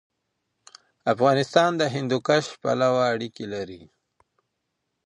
افغانستان د هندوکش پلوه اړیکې لري.